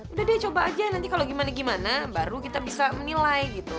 udah deh coba aja nanti kalau gimana gimana baru kita bisa menilai gitu